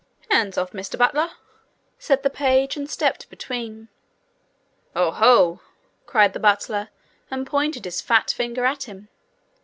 'Hands off, Mr Butler!' said the page, and stepped between. 'Oh, ho!' cried the butler, and pointed his fat finger at him.